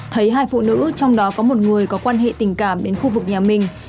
thấy hai phụ nữ trong đó có một người có quan hệ tình cảm đến khu vực nhà mình